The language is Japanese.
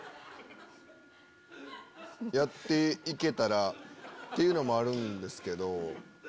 やって行けたらっていうのもあるんですけど。